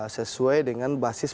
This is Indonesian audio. sesuai dengan basis